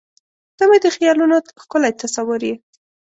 • ته مې د خیالونو ښکلی تصور یې.